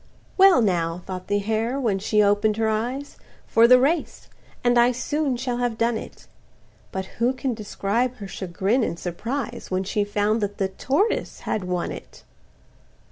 "Well now," thought the hare, when she open'd her eyes, "For the race,—and I soon shall have done it;" But who can describe her chagrin and surprise, When she found that the tortoise had won it!